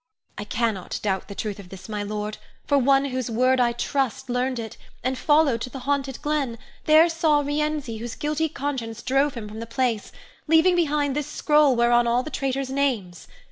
I cannot doubt the truth of this, my lord, for one whose word I trust learned it, and followed to the haunted glen, there saw Rienzi, whose guilty conscience drove him from the place, leaving behind this scroll whereon are all the traitors' names.